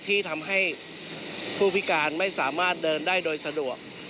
ที่ทำให้ผู้พิการไม่สามารถเดินได้โดยสะดวก